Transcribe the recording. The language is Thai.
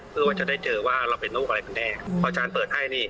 เพื่อว่าจะได้เจอว่าเราเป็นโรคอะไรกันแน่เพราะอาจารย์เปิดให้นี่